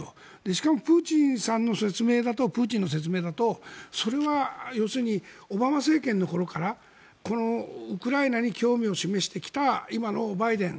しかも、プーチンさんの説明だとそれは、要するにオバマ政権のころからウクライナに興味を示してきた今のバイデン